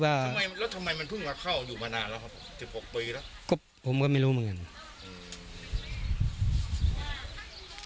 คงผมก็ไม่รู้เหมือนกัน